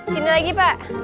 sini lagi pak